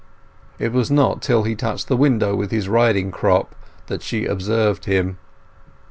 It was not till he touched the window with his riding crop that she observed him.